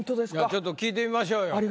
じゃあちょっと聞いてみましょうよ。